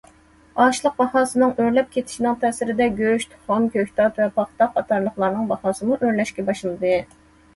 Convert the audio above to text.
ئاشلىق باھاسىنىڭ ئۆرلەپ كېتىشىنىڭ تەسىرىدە گۆش، تۇخۇم، كۆكتات ۋە پاختا قاتارلىقلارنىڭ باھاسىمۇ ئۆرلەشكە باشلىدى.